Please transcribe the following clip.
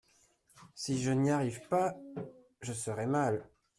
Si je n’y arrive pas je serai mal.